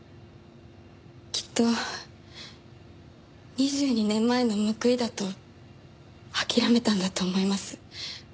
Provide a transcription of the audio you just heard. きっと２２年前の報いだと諦めたんだと思います。